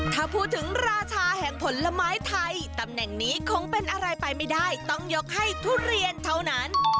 ถ้าพูดถึงราชาแห่งผลไม้ไทยตำแหน่งนี้คงเป็นอะไรไปไม่ได้ต้องยกให้ทุเรียนเท่านั้น